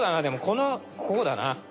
でもこのこうだな。